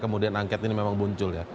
kemudian angket ini memang muncul ya